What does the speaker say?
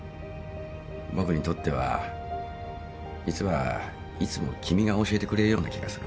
僕にとっては実はいつも君が教えてくれるような気がする。